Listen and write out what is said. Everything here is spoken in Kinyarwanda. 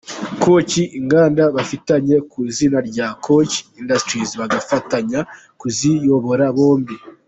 Koch, inganda bafitanye ku izina rya Koch Industries bagafatanya kuziyobora bombi.